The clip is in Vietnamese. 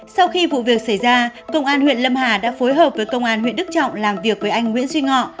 sau khi vụ việc xảy ra công an huyện lâm hà đã phối hợp với công an huyện đức trọng làm việc với anh nguyễn duy ngọ